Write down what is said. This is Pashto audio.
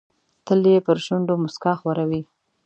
تل یې پر شونډو موسکا خوره وي.